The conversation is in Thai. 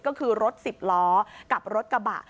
ก็คือรถ๑๐ล้อกับรถกระบะ